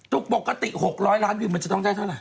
ทุกปกติ๖๐๐ล้านอยู่มันจะต้องได้เท่าไหร่